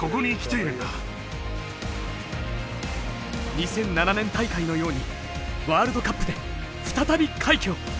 ２００７年大会のようにワールドカップで再び快挙を！